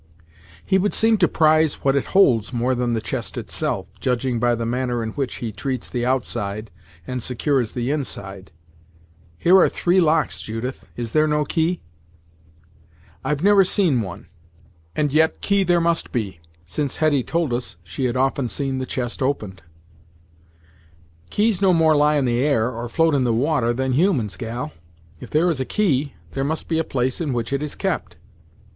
"He would seem to prize what it holds more than the chest, itself, judging by the manner in which he treats the outside, and secures the inside. Here are three locks, Judith; is there no key?" "I've never seen one, and yet key there must be, since Hetty told us she had often seen the chest opened." "Keys no more lie in the air, or float on the water, than humans, gal; if there is a key, there must be a place in which it is kept."